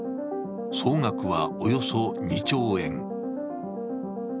総額は、およそ２兆円。